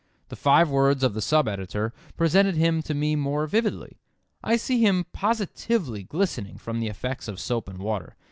The five words of the sub editor present him to me more vividly. I see him positively glistening from the effects of soap and water.